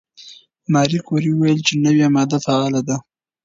ماري کوري وویل چې نوې ماده فعاله ده.